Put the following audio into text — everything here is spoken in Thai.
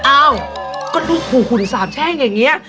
อ้าวก็ดูขู่หุ่นสามแช่งอย่างนี้